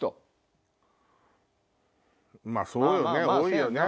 まぁそうよね多いよね。